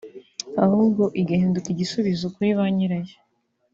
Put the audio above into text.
ahubwo igahinduka igisubizo kuri banyirayo